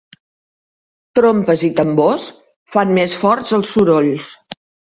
Trompes i tambors fan més forts els sorolls.